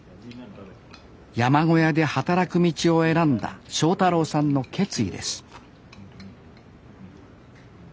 山小屋で働く道を選んだ正太郎さんの決意です